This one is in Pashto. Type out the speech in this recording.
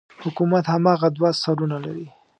حکومت هماغه دوه سرونه لري.